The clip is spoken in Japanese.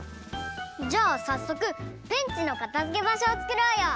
じゃあさっそくペンチのかたづけばしょをつくろうよ！